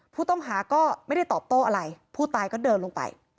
ผู้ต้องหาก็ไม่ได้ตอบโต้อะไรผู้ตายก็เดินลงไป